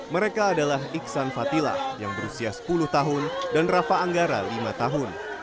mereka adalah iksan fatilah yang berusia sepuluh tahun dan rafa anggara lima tahun